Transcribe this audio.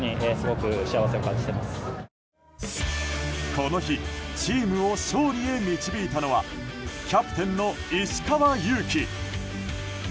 この日チームを勝利へ導いたのはキャプテンの石川祐希。